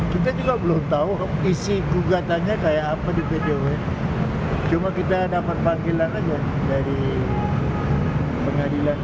kita juga belum tahu isi gugatannya kayak apa di pdun cuma kita dapat panggilan aja dari pengadilan